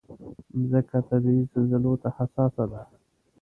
مځکه طبعي زلزلو ته حساسه ده.